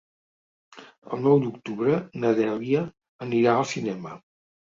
El nou d'octubre na Dèlia anirà al cinema.